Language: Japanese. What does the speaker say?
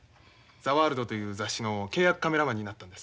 「ザ・ワールド」という雑誌の契約カメラマンになったんです。